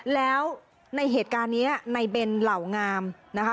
แล้วในเหตุการณ์นี้ในเบนเหล่างามนะคะ